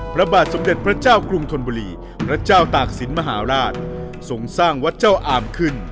พระบาทสมเด็จพระเจ้ากรุงธนบุรีพระเจ้าตากศิลป์มหาราชทรงสร้างวัดเจ้าอามขึ้น